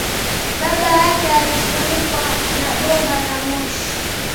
baba yake alifunikwa na bomba la moshi